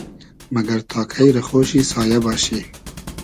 مئگئر تا کݷ رۂ خۉشی سایۂ باشی؟